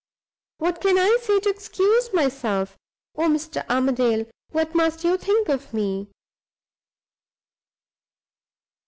What can I say to excuse myself? Oh, Mr. Armadale, what must you think of me?"